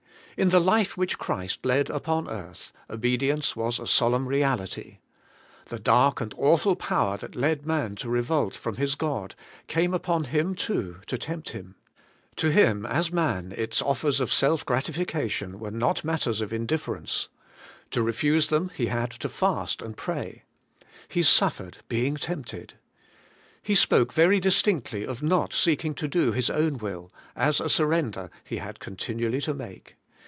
In the life which Christ led upon earth, obedience was a solemn reality. The dark and awful power that led man to revolt from his God, came upon Him too, to tempt Him. To Him as man its offers of self grati OBEYING HIS COMMANDMENTS, 181 flcation were not matters of indifference; to refuse them, He had to fast and pray. He suffered, be ing tempted. He spoke very distinctly of not seek ing to do His own will, as a surrender He had con tinually to make.